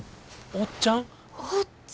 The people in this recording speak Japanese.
おっちゃん！